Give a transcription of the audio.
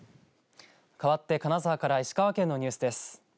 かわって金沢から石川県のニュースです。